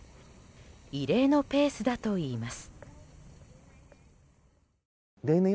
異例のペースだといいます。